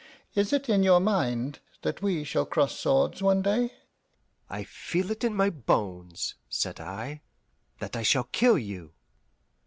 Is it in your mind that we shall cross swords one day?" "I feel it in my bones," said I, "that I shall kill you."